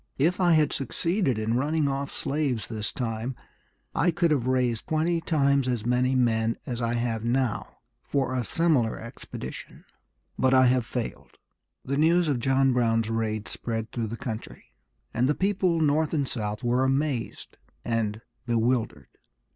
If I had succeeded in running off slaves this time, I could have raised twenty times as many men as I have now for a similar expedition. But I have failed." The news of John Brown's raid spread through the country, and the people North and South were amazed and bewildered.